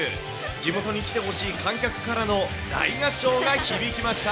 地元に来てほしい観客からの大合唱が響きました。